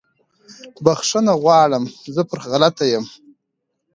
بخښنه غواړم زه پر غلطه یم